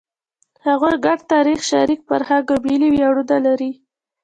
هغوی ګډ تاریخ، شریک فرهنګ او ملي ویاړونه لري.